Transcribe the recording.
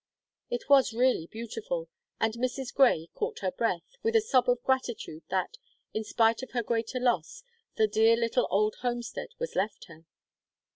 It was really beautiful, and Mrs. Grey caught her breath, with a sob of gratitude that, in spite of her greater loss, the dear little old homestead was left her.